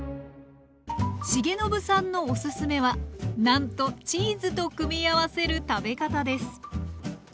重信さんのおすすめはなんとチーズと組み合わせる食べ方です